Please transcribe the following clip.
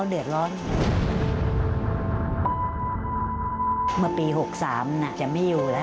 สวัสดีค่ะสวัสดีค่ะ